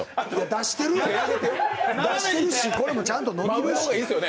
出してるし、これもちゃんと伸びるし。